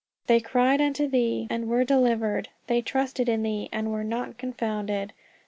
"They cried unto thee, and were delivered: they trusted in thee, and were not confounded" (Psa.